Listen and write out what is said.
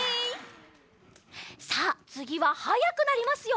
さあつぎははやくなりますよ！